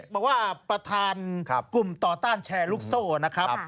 บอกว่าประธานกลุ่มต่อต้านแชร์ลูกโซ่นะครับ